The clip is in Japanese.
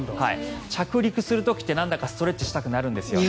着陸する時ってなんだかストレッチしたくなるんです。